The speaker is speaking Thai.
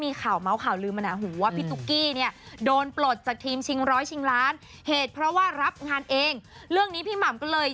ถ้าเขาพูดได้ถ้าเขาเดินคงจะดี